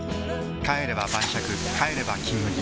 帰れば晩酌帰れば「金麦」